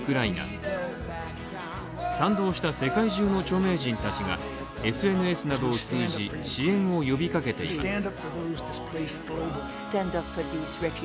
賛同した世界中の著名人たちがＳＮＳなどを通じ、支援を呼びかけています。